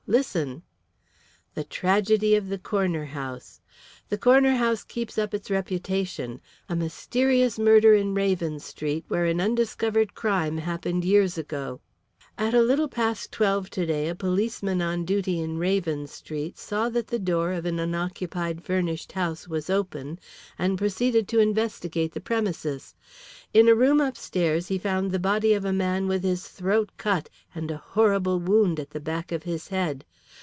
Listen:" "'The Tragedy of the Corner House.'" "'The Corner House keeps up its reputation. A mysterious murder in Raven Street where an undiscovered crime happened years ago. "'At a little past twelve today a policeman on duty in Raven Street saw that the door of an unoccupied furnished house was open, and proceeded to investigate the premises. In a room upstairs he found the body of a man with his throat cut and a horrible wound at the back of his head.